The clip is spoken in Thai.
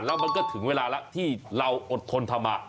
แล้วมันก็ถึงเวลาแล้วที่เราอดทนทำมา